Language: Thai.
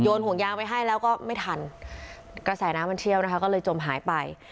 ห่วงยางไปให้แล้วก็ไม่ทันกระแสน้ำมันเชี่ยวนะคะก็เลยจมหายไป